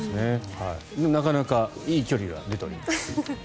なかなかいい距離が出ております。